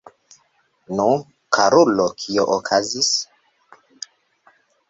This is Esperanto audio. Nu, karulo, kio okazis?